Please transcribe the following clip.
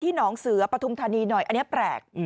หนองเสือปฐุมธานีหน่อยอันนี้แปลก